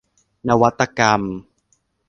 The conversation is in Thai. นวัตกรรม